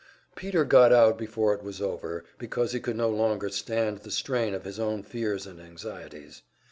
Peter got out before it was over, because he could no longer stand the strain of his own fears and anxieties.